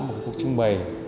một cuộc trưng bày